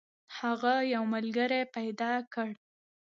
هغه یو ملګری پیدا کړ.